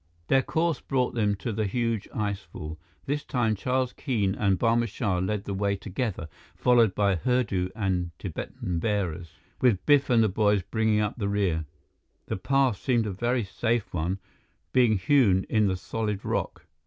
Their course brought them to the huge icefall. This time Charles Keene and Barma Shah led the way together, followed by Hurdu and the Tibetan bearers, with Biff and the boys bringing up the rear. The path seemed a very safe one, being hewn in the solid rock.